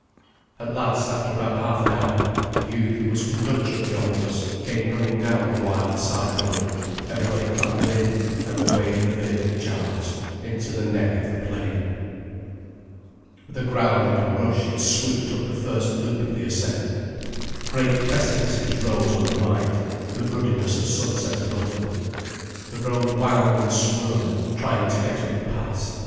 At last, after about half an hour, the youth who was conductor of the omnibus came running down the wild side road, everybody clambered in, and away the vehicle charged, into the neck of the plain. With a growl and a rush it swooped up the first loop of the ascent. Great precipices rose on the right, the ruddiness of sunset above them. The road wound and swirled, trying to get up the pass.